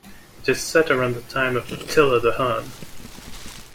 It is set around the time of Attila the Hun.